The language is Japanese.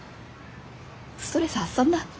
ストレス発散だ。